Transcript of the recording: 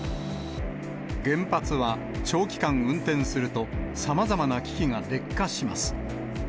原発は、長期間運転すると、さまざまな機器が劣化します。